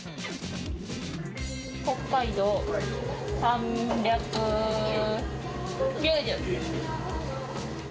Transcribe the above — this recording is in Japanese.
北海道、３９０。